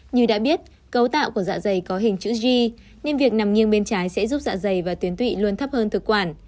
như đã biết cấu tạo của dạ dày có hình chữ g nên việc nằm nghiêng bên trái sẽ giúp dạ dày và tuyến tụy luôn thấp hơn thực quản